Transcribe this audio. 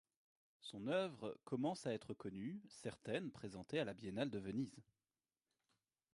Son œuvre commence à être connue, certaines présentées à la Biennale de Venise.